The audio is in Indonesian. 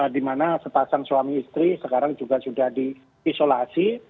dimana sepasang suami istri sekarang juga sudah di isolasi